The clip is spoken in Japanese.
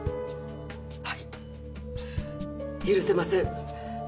はい許せません。